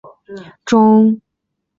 中央工业安全部队是印度一个分支。